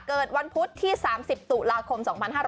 เกิดวันพุธที่๓๐ตุลาคม๒๕๕๙